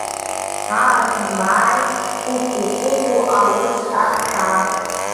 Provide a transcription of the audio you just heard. Ааԥын мааи, кәукәу, кәукәу аус ахь шәаа.